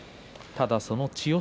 ただ、その千代翔